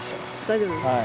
大丈夫ですか。